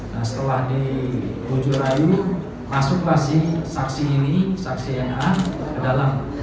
nah setelah dibujur ayu masuklah si saksi ini saksi na ke dalam